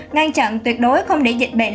ngăn chặn tuyệt đối không để dịch bệnh